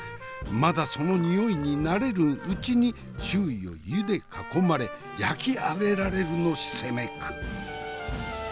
まだその匂いに慣れぬうちに周囲を湯で囲まれ焼き上げられるの責め苦。